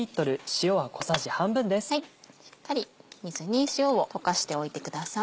しっかり水に塩を溶かしておいてください。